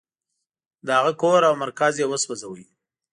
د هغه کور او مرکز یې وسوځاوه.